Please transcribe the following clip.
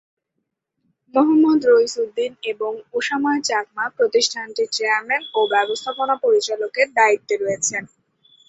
মোহাম্মদ রইস উদ্দিন এবং উশাময় চাকমা প্রতিষ্ঠানটির চেয়ারম্যান ও ব্যবস্থাপনা পরিচালকের দায়িত্বে রয়েছেন।